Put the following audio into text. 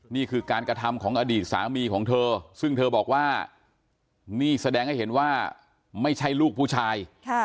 นี่คือการกระทำของอดีตสามีของเธอซึ่งเธอบอกว่านี่แสดงให้เห็นว่าไม่ใช่ลูกผู้ชาย